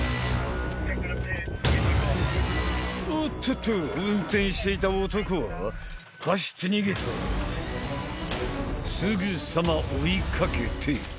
おっとっと運転していた男は走って逃げたすぐさま追いかけて！